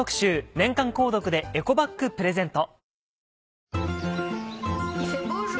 年間購読でエコバッグプレゼント。